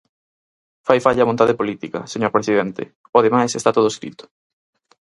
Fai falla vontade política, señor presidente; o demais está todo escrito.